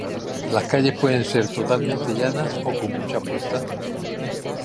Las calles pueden ser totalmente llanas y con mucha cuesta.